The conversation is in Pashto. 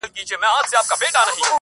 ستا غوسه ناکه تندی ستا غوسې نه ډکي سترگې